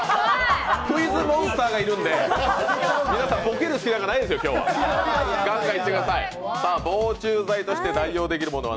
クイズモンスターがいるんで、皆さんボケる隙ないですよ、今日は。